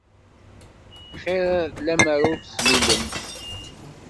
Xir lemmer ur d-tlulemt.